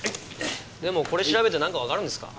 でもこれ調べてなんかわかるんですか？